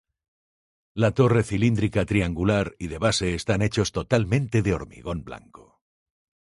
La torre cilíndrica triangular y de base están hechos totalmente de hormigón blanco.